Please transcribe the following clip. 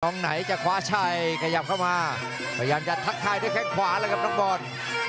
อยากจะทักทายได้แค่ขวาแล้วกับน้องบอล